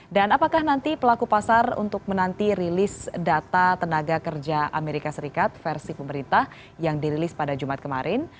dan apakah nanti pelaku pasar untuk menanti rilis data tenaga kerja amerika serikat versi pemerintah yang dirilis pada jumat kemarin